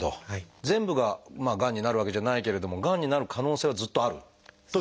全部ががんになるわけじゃないけれどもがんになる可能性はずっとあるというような。